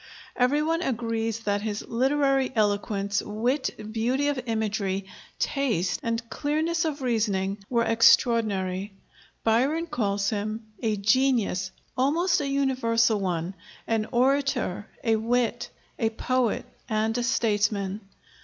Every one agrees that his literary eloquence, wit, beauty of imagery, taste, and clearness of reasoning, were extraordinary. Byron calls him "a genius almost a universal one; an orator, a wit, a poet, and a statesman."